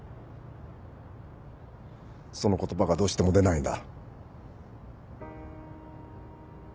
その言葉がどうしても出ないんだ。